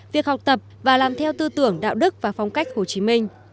việc học tập và làm theo tư tưởng đạo đức và phong cách hồ chí minh